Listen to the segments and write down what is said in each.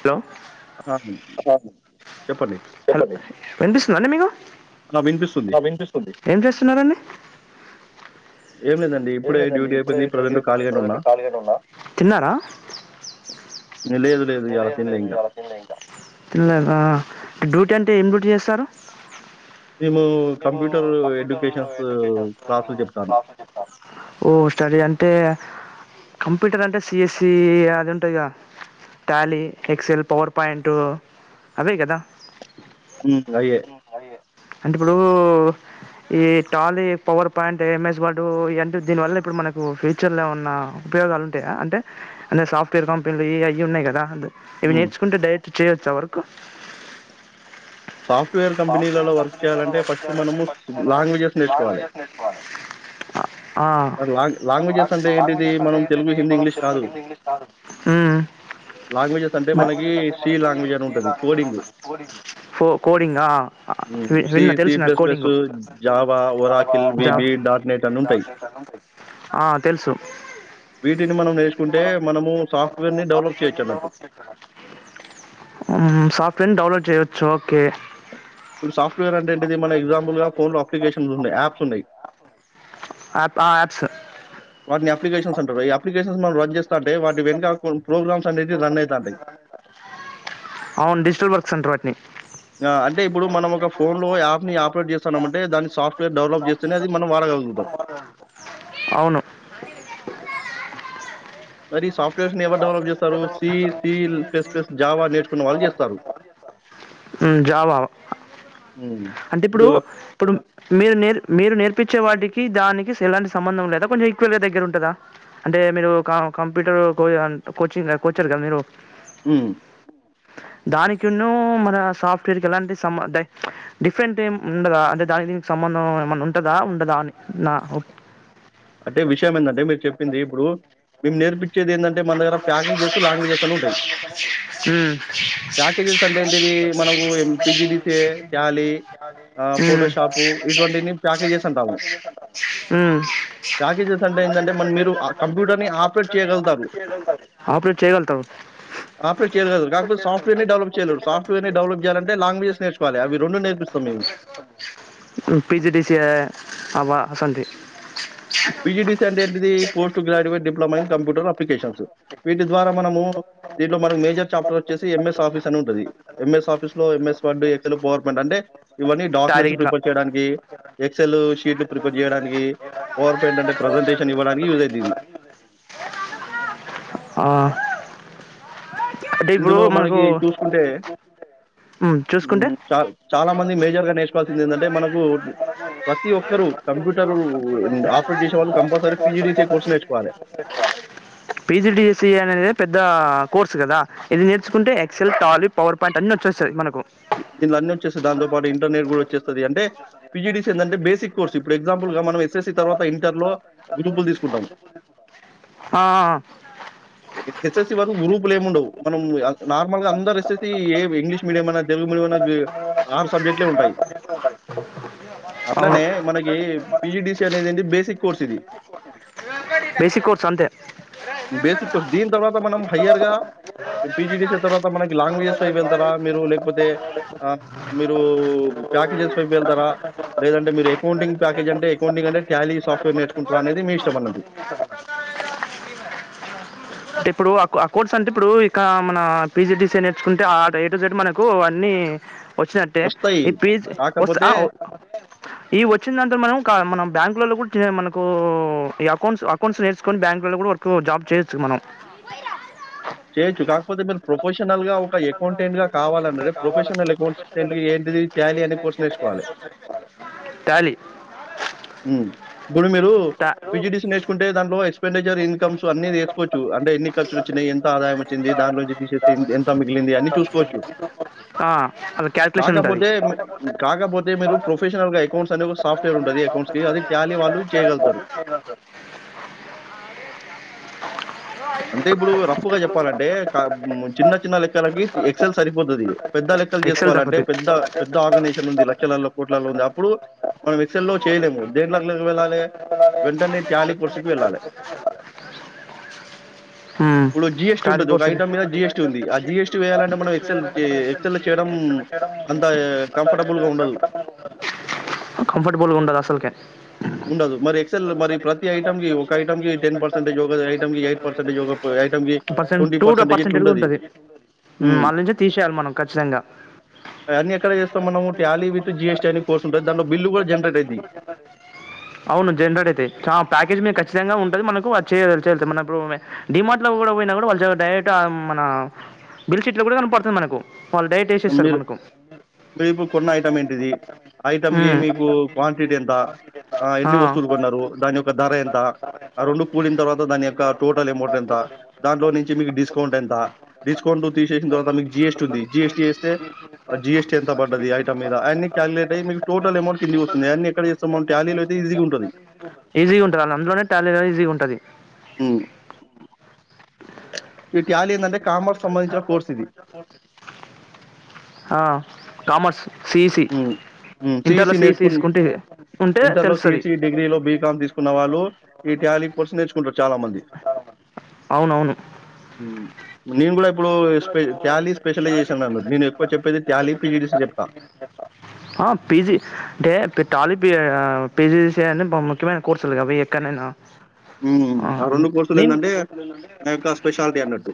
Hello ఆ! చెప్పండి. Hello వినిపిస్తుందాండి మీకు ఆ! వినిపిస్తుంది. వినిపిస్తుంది ఏం చేస్తున్నారండి ఏం లేదండి. ఏం ఇప్పుడే లేదండి డ్యూటీ ఇప్పుడే అయిపోయింది. డ్యూటీ ప్రెజెంట్ అయిపోయింది ఖాళీగానే ఉన్నా. ప్రజలు ఖాళీగానే ఉన్నా తిన్నారా నేను లేదు లేదు ఇయాల తినలే ఇంగా. తిన్లేదా రూట్ అంటే ఏం డ్యూటీ చేస్తారు మేము కంప్యూటర్ ఎడ్యుకేషన్స్ క్లాసులు చెప్తాను. ఓ స్టడీ అంటే కంప్యూటర్ అంటే సిఎస్సి అది ఉంటాయిగా టాలీ ఎక్సెల్ పవర్ పాయింట్ అవే కదా ఉమ్ అయ్యే అంటే ఇప్పుడు ఈ టాలీ పవర్ పాయింట్ ఎంఎస్ ఓడ్ ఇ అంటే దీనివల్ల ఇప్పుడు మనకు ఫ్యూచర్లో ఉన్న ఉపయోగాలు ఉంటాయా అంటే అనే సాఫ్ట్వేర్ కంపెనీలు అవి ఉన్నాయి కదా దానుంటది ఇవి హ్మ్. నేర్చుకుంటే డైట్ చేయొచ్చా వరకు సాఫ్ట్‌వేర్ కంపెనీలలో సాఫ్ట్వేర్ వర్క్ కంపెనీ చేయాలంటే వర్క్ ఫస్ట్ చేయాలంటే మనము స్ ఫట్ మన లాంగ్వేజెస్ నేర్చుకోవాలి. లాంగ్వేజెస్ నేర్చుకోవాలి మరి లాంగ్ లాంగ్వేజెస్ అంటే ఏంటిది? లాంగ్వేజెస్ అంటే మనం తెలుగు, హిందీ, మన ఇంగ్లీష్ తెలుగు కాదు. హింది ఇంగ్లీష్ కాదు లాంగ్వేజెస్ అంటే మనకి సి లాంగ్వేజ్ అని ఉంటుంది కోడింగ్ ఫో కోడింగ్ ఆ హ్మ్. వి సి, విన్న సి తెలుసు నాకు plus plus, coding Java, Oracle, జా వీబీ, డాట్ నెట్ అని ఉంటాయి. ఆ తెలుసు వీటిని మనం నేర్చుకుంటే మనము సాఫ్ట్‌వేర్‌ని డెవలప్ చేయొచ్చన్నట్టు. మ్మ్ సాఫ్ట్వేర్ ని డౌన్ జేయొచ్చు ఇప్పుడు సాఫ్ట్వేర్ అంటేంటిది మన ఎగ్జాంపుల్ గా ఫోన్ లో అప్లికేషన్స్ ఉన్నాయి యాప్స్ ఉన్నాయి యాప్ ఆ యాప్స్ వాటిని అప్లికేషన్స్ అంటారు అప్లికేషన్స్ మన రన్ అయితాంటాయి. అవును డిజిటల్ వర్క్స్ అంటర్ వాటిని ఆ అంటే ఇప్పుడు మనం ఒక ఫోన్ లో యాప్ ని ఆపరేట్ చేస్తాన్నమంటే దాని సాఫ్ట్ అవును మరి సాఫ్వేర్ నీ ఎవ ప్లస్, జావా నేర్చుకున్న వాళ్ళు చేస్తారు. మ్మ్ జా వా హ్మ్. అంటే ఇప్పుడు ఇదొక ఇప్పుడు మీరు నే మీరు నేర్పించే వాటికి దానికి సేలాంటి సంబంధం లేదా కొంచెం ఈక్వల్ గా దగ్గర ఉంటందా అంటే మీరు క కంప్యూటర్ కో అంటే కోచింగ్ కోచర్ కదా మీరు మ్మ్ దానికున్ను మన సాఫ్ట్వేర్ కి ఎలాంటి సంబ డిఫరెంట్ ఏం ఉండదా అంటే దానికి దీనికి సంబంధం ఏమన్నా ఉంటదా ఉండదా అని నా అంటే విషయం ఏందంటే మీరు చెప్పింది ఇప్పుడు మేము నేర్పిం ఉంటాయి. మ్మ్ ప్యాకేజెస్ అంటే ఏంటిది? మనకు ఎం పీజీడీసీఏ, టాలీ మ్మ్ ఆహ్, ఫోటోషాపు ఇటువంటిని ప్యాకేజెస్ అంటాము. మ్మ్ ప్యాకేజెస్ అంటే ఏందంటే మం మీరు ఆ కంప్యూటర్ ని ఆపరేట్ చేయగలుతాం ఆపరేట్ చేయగలుగుతావు. ఆపరేట్ చేయ కద కాకపోతే సాఫ్ట్వేర్ని డెవలప్ చేయలేరు సాఫ్ట్వేర్ని డెవలప్ చేయాలంటే లాంగ్వేజెస్ నేర్చుకోవాలి అవి రెండు నేర్పిస్తాం మేము పీజీడీసీఏ అవ అసొంటివి. పిజిడిసిఎ అంటే ఏంటిది post graduate diploma in computer up applications వి ద్వారా మనము దీంట్లో మనకు మేజర్ చాప్టర్ వచ్చేసి ఎంఎస్ ఆఫీస్ అని ఉంటది ఎంఎస్ ఆఫీస్ లో MS word Excel power point అంటే ఇవన్నీ టాలీ డాక్యుమెంట్స్ ఇట్లా ప్రిపేర్ చేయడానికి ఎక్స్ఎల్ షీట్లు ప్రిపేర్ చేయడానికి పవర్ పాయింట్ అంటే ప్రజెంటేషన్ ఇవ్వడానికి యూజ్ అయిద్దిది. ఆ అంటే ఇప్పుడు ఇందులో మనకు మనకి చూసుకుంటే ఉమ్, చూసుకుంటే చ చాలా మంది మేజర్గా నేర్చుకోవాల్సింది ఏందంటే మనకు ప్రతి ఒక్కరుూ కంప్యూటరు ఆపరేట్ చేసే వాళ్ళు కంపల్సరీ పిజిడిసిఎ కోర్సు నేర్చుకోవాలె ఆ కోర్స్ కదా ఇది నేర్చుకుంటే ఎక్సెల్ టాలి పవర్ పాయింట్ అన్ని వచ్చేస్తయి మనకు ఆ దీంట్లో అన్నీ వచ్చేస్తాయి. దాంతో పాటు ఇంటర్మీడియేట్ గూడా వచ్చేస్తది. అంటే పీజీడీసీఏ ఏందంటే బేసిక్ కోర్స్. ఇప్పుడు ఎగ్జాంపుల్‌గా మనం ఎస్ఎస్‌సీ తర్వాత ఇంటర్‌లో గ్రూపులు తీసుకుంటాము. ఎస్ఎస్‌సీ వరకు గ్రూపులు ఏమిముండవు మనం నార్మల్ గా అందరు వేసేసి ఏ ఇంగ్లీష్ మీడియం అనేది తెలుగు మీడియం ఆరు సబ్జెక్ట్లే ఉంటాయి అవును అట్లానే మనకి పిజిడిసి అనేది ఏ బేసిక్ కోర్స్ ఇది బేసిక్ కోర్స్ అంతే బేసిక్ కోర్స్ దీని తర్వాత మనం హయ్యర్ గా పిజిడిసిఎ తర్వాత మనకి లాంగ్వేజెస్ అయిపోయిన తర్వాత మీరు లేకపోతే టె ఆ మీరు ప్యాకేజెస్ పైపు వెళ్తారా లేదంటే మీరు అకౌంటింగ్ ప్యాకేజ్ అంటే అకౌంటింగ్ అంటే ట్యాలీ సాఫ్ట్వేర్ నేర్చుకుంటరా అనేది మీ ఇష్టం అన్నట్టు అంటే ఇప్పుడు ఆ ఆ కోర్స్ అంటే ఇప్పుడు ఇక మన పీజీడిసీ నేర్చుకుంటే ఆ డే టు డేట్ మనకు అన్ని వచ్చినట్టే వస్తాయి. ఈ ప్లీజ్ వ కాకపోతే ఈ వచ్చిన దాంతర మనం మనం బ్యాంక్ మనకు ఈ అకౌంట్స్ అకౌంట్స్ నేర్చుకొని బ్యాంలలో కూడా వకు జాబ్ చేయొచ్చు మనం చేయొచ్చు కాకపోతే మీరు ప్రొఫెషనల్ గా ఒక అకౌంటెంట్ గా కావాలన్నే ప్రొఫెషనల్ అకౌంటెంట్ ఏంటిది తాలీ అనే కోర్స్ నేర్చుకోవాలి టాలీ ఇప్పుడు మీరు టా పిజిటి నేర్చుకుంటే దాంట్లో ఎక్స్పెండి ఇన్కమ్స్ అన్ని తీసుకోవచ్చు అంటే ఎన్ని ఖర్చులు వచ్చాయి ఎ ఎంత ఆదాయం వచ్చింది దాంట్లోంచి తీసే ఎంత మిగిలింది అని చూసుకోవచ్చు ఆ అలా క్యాల్కులేషన్ ఉంటది కాకపోతే కాకపోతే మీరు ప్రొఫెషనల్ గా అకౌంట్స్ అనే ఒక సాఫ్ట్వేర్ ఉంటుంది అకౌంట్స్ కి అది తాలీ వాళ్ళు చేయగలుగుతారు అంటే ఇప్పుడు రఫ్గా చెప్పాలంటే చిన్న చిన్న లెక్కలకి ఎక్సెల్ సరిపోతుంది పెద్ద లెక్కలు చేసుకోవాలంటే పెద్ద ఎక్సెల్ తగ్గుతాయి పెద్ద ఆర్గనైజేషన్ ఉంది లక్షలలో కోట్లలో ఉంది అప్పుడు మనం ఎక్సల్ల్లో చేయలేము దేని లకి వెళ్ళాలి వెంటనే త్యాలీ కోర్సుకి వెళ్ళాలి ఇప్పుడు జీఎస్టీ ఉంటది. ఒక దితుంది ఐటెమ్ మీద జీఎస్టీ ఉంది. ఆ జీఎస్టీ వేయాలంటే మనం ఎక్సెల్ టి ఎక్సెల్‌లో చేయడం అంత కంఫర్టబుల్‌గా ఉండదు. కఫర్టబుల్ ఉండదు అసలు ఉండదు. టెన్ పర్సెట్జయోగ ఐటమ్కి ఎయిట్ ఇట్లుంటది. ఉంది హ్మ్. మళ్ళ తీసయాలినచ్చి అయన్నీ ఎక్కడ చేస్తాం మనము? టాలీ విత్ జీఎస్టీ అనే కోర్స్ ఉంటది. దాంట్లో బిల్లు గూడా జనరేట్ అయిద్ది. అవు జన అ ఖచ్చితంగా ఉంటుంది మనకుది చేయతుంది మనప్పుడు డిమార్ట్ లో కూడా పోయినా కూడా వాళ్ళ డైరెక్ట్ మన బిల్షీట్ లో కూడా కనపడుతుంది మనకు వాళ్ళు డైరెక్ట్ వేసేస్తారు మీరు మనకు మీరుప్పు కొన్న ఐటం ఏంటిది ఆ ఐటం క మీకు క్వాంటిటీ ఎంత ఎన్ని వస్తువులు కొన్నారు దాని యొక్క ధర ఎంత ఆ రెండు కూలిన తర్వాత దాని యొక్క టోటల్ అమౌంట్ ఎంత దాంలో నుంచి మీకు డిస్కౌంట్ ఎంత డిస్కౌంట్ తీసేసిన తర్వాత మీకు జిఎస్టి ఉంది జిఎస్ మీద అన్ని క్యాలిక్యులేట్ అయ్యి మీకు టోటల్ అమౌంట్ కిందికి వస్తుంది అన్ని ఎక్కడ చేస్తాం మనం టాలీలో అయితే ఈజీగా ఉంటుంది ఈ ఉ అందులోనే టాలెయడం ఈజీగా ఉంటది ఉమ్. ఈ టాలీ ఏంటంటే కామర్స్ సంబంధించిన కోర్స్ ఇది ఆ కామర్స్ సిఈసి ఇంటర్లో సిఈసి తీసుకుంటే ఇదే ఉంటే ఇంటర్లో తెలుస్తది. సిఈసి డిగ్రీలో బీకామ్ తీసుకున్న వాళ్ళు ఈ టాలీ కోర్స్ నేర్చుకుంటారు చాలా మంది అవునవును ఉమ్. నేను ఇప్పుడు స్పె టాలీ స్పెషలైజేషన్ చేశాను నేను ఏక్కువ చెప్పేది టాలి పిజడిసి చెప్తా ఆ పీజీ అంటే టాలి పి పీజీడిసి అని ముఖ్యమైన కోర్సులు ఎక్కనైనా హ్మ్ ఆ రెండు కోర్సులు ఏందంటే దాని యొక్క స్పెషాలిటీ అన్నట్టు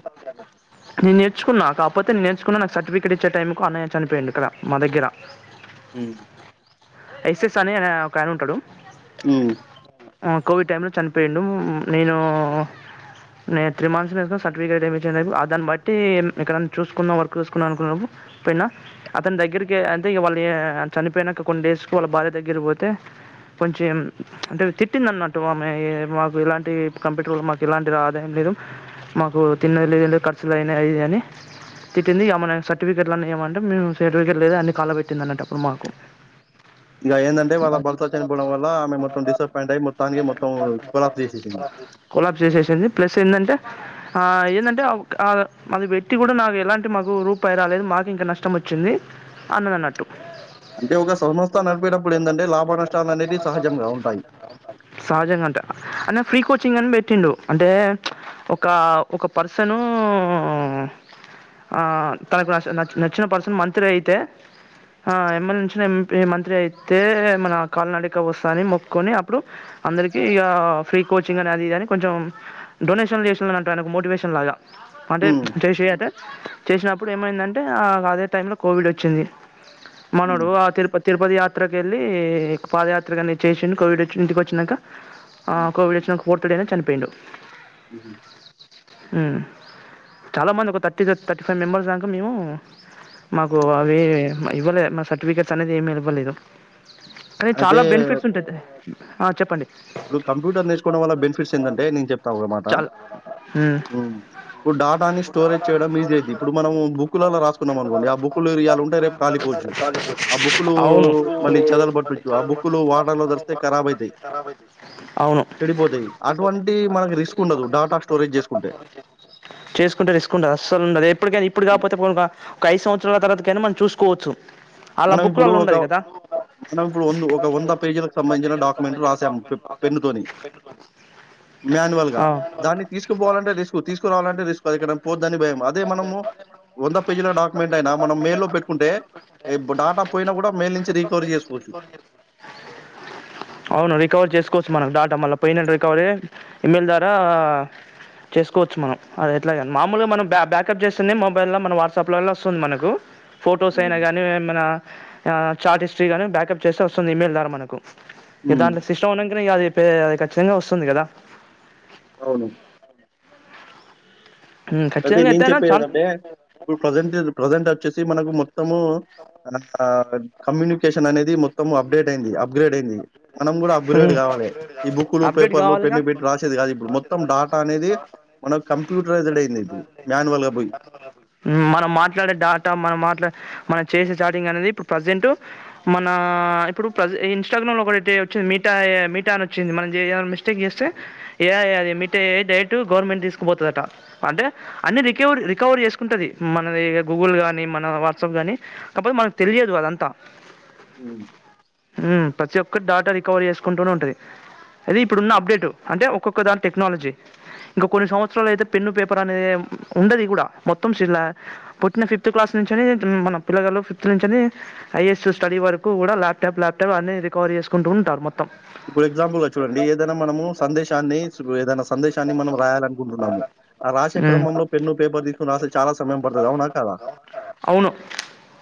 నేన్ నేర్చుకున్నా కాకపోతే నేర్చుకున్నా నాకు సర్టిఫికేట్ ఇచ్చే టైంకు అన్నాయ్య చనిపోయిండు కదా మా దగ్గర హ్మ్ ఎస్ఎస్ అనే ఒకయన ఉంటడు. హ్మ్ కోవిడ్ టైమ్ లో చనిపోయిండు నేను నేను త్రీ మంత్స్ [unintelligible] సర్టిఫికేట్ వచ్చే దాన్ని బట్టి ఎక్కడనా చూసుకున్నాం. వర్క్ చూసుకున్నాం అనుకున్నాము. పోయినా అతని దగ్గరికి అంటే వాళ్ళ చనిపోయినాక కొన్ని డేస్కు వాళ్ళ భార్య దగ్గర పోతే కొంచెం అంటే తిట్టింది అన్నట్టు ఆమె మాకు ఏలాంటి కంప్యూటర్ల మాకు ఏలాంటి ఆదాయం లేదు మాకు తిన్నది లేదు లేక అసలు అయినాయి అని తిటింది ఆమెను నా సర్టిఫికేట్లన్నా ఇయ్యమంటే మేము సెట్ దగ్గర లేదు అన్ని కాలబెట్టింది అనట మాకు ఇక ఏంటంటే వాళ్ళ భర్త చనిపోవడం వల్ల ఆమె మొత్తం డిసప్పాయింట్ అయ్యి మొత్తానికి మొత్తం కొలాప్స్ చేసేసింది ఓలా చేసింది ప్లస్ ఏందంటే ఆ ఏందంటే కాదు అది పెట్టి కూడా నాకు ఎలాంటి మాకు రూపాయి రాలేదు మాకే ఇంకా నష్టం వచ్చింది అన్నడు అన్నట్టు అంటే ఒక సంస్థ నడిపేటప్పుడు ఏందంటే లాభ నష్టాలు అనేటివి సహజంగా ఉంటాయి. సహజంగా అంట అన్న ఫ్రీ కో చ్చింగ్ అని పెట్టిండు అంటే చ్ ఒక ఒక పర్స్ ను హ్మ్మ్ ఆ తనకు నచ్ నచ్చిన పర్సన్ మంత్రి అయితే ఆ ఎమ్మెల్చ్చినంపీ మంత్రి అయితే మన కాళ్ళ నడిక వస్తా అని మొక్కుకోని అప్పుడు అందరికి ఇగా ఫ్రీ కోచింగ్ అని అది ఇది అని కొంచెం డొనేషన్ చేస్తూదన్నట్టు ఆయనకు మోటివేషన్ లాగా అంటే హ్మ్. చేసి అటే చేసినప్పుడు ఏమైందంటే ఆ అదే టైం లో కోవిడ్ వచ్చింది. మనోడు హ్మ్. ఆ తిరుపతి తిరుపతి యా యాత్రకు యెళ్ళి పాదయాత్ర గాని చేసిండు కోవిడ్ వచ్చి ఇంటికి వచ్చిన్నాక ఆ హ్మ్. కోవిడ్ వచ్చిన్నాక ఫోర్త్ డే నే చనిపి పేండు హ్మ్ హు హ్మ్ చాలా మంది ఒక థర్టీ థర్టీ ఫైవ్ మెంబర్స్ దాంకా మేము మాకు అవి ఇవ్వలే మా సర్టిఫికేట్స్ అనేది ఏమి ఇవ్వలేదు. అరే చాలా అయితే బెనిఫిట్స్ ఉంటది. ఆ చెప్పండి. ఇప్పుడు కంప్యూటర్ నేర్చుకోవడం వల్ల బెనిఫిట్స్ ఏందంటే నేను చెప్తా ఒక మాట చాలా ఉమ్ ఇప్పుడు డాటాని స్టోరేజ్ చేయడం ఈజీ అయింది. ఇప్పుడు మనం బుక్కులల్లో రాసుకున్నాం అనుకోండి ఆ బుక్లు ఇయాల ఉంటాయి, రేపు కాలిపోవచ్చు ఆ బుక్లు అవును మళ్ళీ చదలు పట్టొచ్చు ఆ బుక్లు వాటర్ లో తరిస్తే కరాబ్ అయితాయి. అవును చెడిపోతాయి అటువంటి మనకి రిస్క్ ఉండదు డాటా స్టోరేజ్ చేసుకుంటే చేసుకుంటే రిస్కుంటదు అస్సలు ఉండదు ఎప్పటికైనా ఇప్పుడు కాకపోతే పోను ఒక ఐదు సంవత్సరాల తర్వాత కైనా మనం చూసుకోవచ్చు. అలా మనం బుక్లో ఇప్పుడు అలా ఒక ఉండదు కదా మనం ఇప్పుడు వం ఒక వంద పేజీలకు సంబంధించిన డాక్యుమెంట్ రాసాము పెన్ను తోని మాన్యువల్ గా దాన్ని తీసుకుపోవాలంటే రిస్క్ తీసు కురావాలంటే రిస్క్ అది ఎక్కడన పోత్ దని భయం అదే మనము వంద పేజీల డాక్యుమెంట్ అయినా మనం మెయిల్లో పెట్టుకుంటే రేపు డాటా పోయినా కూడా మెయిల్ నుంచి రికవరీ చేసుకోవచ్చు. ఆ అవును రికవరీ చేసుకోవచ్చు మనం డాటా మళ్ల పోయిన రికవరీ ఇమెయిల్ ద్వారా చేసుకోవచ్చు మనం అది ఎట్లాగా మామూలుగా మనం బ్యాకప్ చేస్తుంది మొబైల్ లో మన వాట్సాప్ లో వస్తుంది మనకు ఫొటోస్ అయినా హ్మ్. కానీ ఏమైనా ఆ చార్ట్ హిస్టరీ గాని బ్యాకప్ చేస్తే వస్తుంది ఇమెయిల్ ద్వారా మనకు ఇగ హ్మ్. దాంట్ల సిస్టం ఉన్నాంకనే ఇగ అది దే అది ఖచ్చితంగా వస్తుంది కదా. అవును ఉమ్, అయితే ఖచ్చితంగా నేను ఎత్తైనా చెప్పేది చాలా ఏందంటే ఇప్పుడు ప్రజెంట్ ప్రజెంట్ వచ్చేసి మనకు మొత్తము ఆ ఆ కమ్యూని కేషన్ అనేది మొత్తం అప్డేట్ అయింది అప్గ్రేడ్ అయింది. మనం కూడా అప్గ్రేడ్ ఉమ్. కావాలి. ఈ బుక్లు అప్డేట్ పేపర్లు కావాలిగా పెన్ను పెట్టి రాసేది కాదు ఇప్పుడు మొత్తం డాటా అనేది మనకు కంప్యూటరైజ్డ్ అయింది. ఇప్పుడు. మాన్యువల్‌గా బోయి. ఉమ్ మనం మాట్లాడే డాటా మనం మాట్లాడే మన చేసే చాటింగ్ అనేది ఇప్పుడు ప్రజెంటు మన ఇప్పుడు ప్రజ ఇన్స్టాగ్రామ్లో ఒకటి వచ్చింది. మీటా ఏ ఐ మీటా అని వచ్చింది. మనం ఏదైనా మిస్టేక్ చేస్తే ఏ ఐ అది మీట ఏ ఐ డైరెక్ట్ గవర్నమెంట్ తీసుకుపోతదట అంటే అన్నీ రికవరీ రికవరీ చేసుకుంటది. మనది గూగుల్ కానీ, మన వాట్సాప్ కానీ కాకపోతే మనకు తెలియదు అదంతా హు ఉమ్ ప్రతి ఒక్క డాటా రికవరీ చేసుకుంటూనే ఉంటది. అది ఇప్పుడు ఉన్న అప్డేట్ అంటే ఒక్కొక్క దాని టెక్నాలజీ, ఇంకా కొన్ని సంవత్సరాలు అయితే పెన్ను పేపర్ అనేది ఉండది కూడా మొత్తంలా పుట్టిన ఫిఫ్త్ క్లాస్ నుంచిని మన పిల్లల్లో ఫిఫ్త్ నుంచిని ఐఎస్ స్టడీ వరకు కూడా ల్యాటాప్ ల్యాటాప్ అన్ని రికవరీ చేసుకుంటూంటారు మొ ఇప్పుడు ఎగ్జాంపుల్ గా చూడండి. ఏదైనా మనము సందేశాన్ని ఏదైనా సందేశాన్ని మనం రాయాలనుకుంటున్నాము, ఆ రాసే హ్మ్. క్రమంలో పెన్ను పేపర్ తీసుకుని రాస్తే చాలా సమయం పడుతది అవునా కాదా, అవును.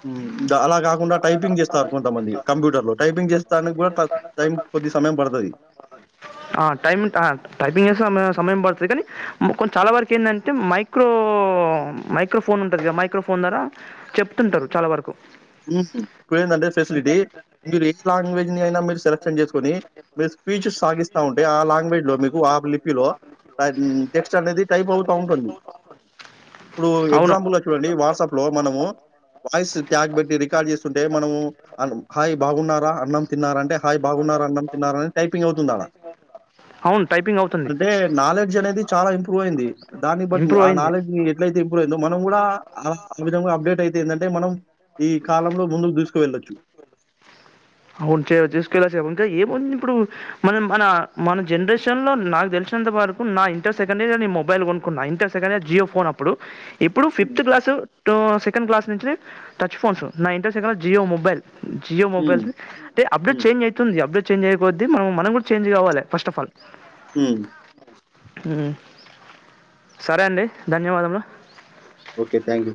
ఉమ్ అలా కాకుండా టైపింగ్ చేస్ చేస్తారు కొంతమంది కంప్యూటర్ లో టైపింగ్ చేస్తానిక కూడా టైం కొద్ది సమయం పడతది. ఆ టైమింగ్ ఆ టైపింగ్ చేస్తే సమయ సమయం పడుతది కానీ కొ చాలా వరకు ఏంటంటే మైక్రో మైక్రోఫోన్ ఉంటది కదా, మైక్రోఫోన్ ద్వారా చెప్తుంటారు చాలా వరకు హు హు ఇప్పుడు ఏందంటే ఫెసిలిటీ మీరు ఏ లాంగ్వేజ్ ని అయినా మీరు సెలెక్షన్ చేసుకొని మీరు స్పీచ్ సాగిస్తా ఉంటే ఆ లాంగ్వేజ్ లో మీకు ఆ లిపిలో టెక్స్ట్ అనేది టైప్ అవుతా ఉంటుంది. ఇప్పుడు అవును ఎగ్జాంపుల్ లో చూడండి వాట్సాప్ లో మనము వాయిస్ ట్యాగ్ పెట్ రికార్డ్ చేస్తుంటే మనము హాయ్ బాగున్నారా, అన్నం తిన్నారా అంటే హాయ్ బాగున్నార, అన్నం తిన్నార అని టైపింగ్ అవుతుంది ఆడా. అవును టైపింగ్ అవుతుంది అంటే నాలెడ్జ్ అనేది చాలా ఇంప్రూవ్ అయింది, దాన్ని బట్టి ఇంప్రూవ్ ఆ అయింది నాలెడ్జ్ ఎట్లయితే ఇంప్రూవ్ అయిందో మనం కూడా ఆ ఆ విధంగా అప్డేట్ అయితే ఏందంటే మనం ఈ కాలంలో ముందుకు దూసుకు వెళ్ళొచ్చు. అవును చేయో దూసుకెళ్లోచ్చు ఇంకా ఏముంది ఇప్పుడు మనం మన మన జనరేషన్ లో నాకు తెలిసినంత వరకు నా ఇంటర్ సెకండ్ ఇయర్ నేను మొబైల్ కొనుక్కున్నా, inter second year Jio phone అప్పుడు ఇప్పుడు హ్మ్. Fifth class to sick send class నుంచి టచ్ ఫోన్స్ నా inter second Jio mobile Jio mobile హ్మ్. అంటే అప్పుడే హ్మ్. చేంజ్ అవుతుంది అప్డేట్ చేంజ్ చేంజ్ అయిపోతే మనం కూడా చేంజ్ కావాలి ఫస్ట్ ఆఫ్ ఆల్ ఉ ఆ సరే అండి ధన్యవాదములు ఓకే థ్యాంక్ యూ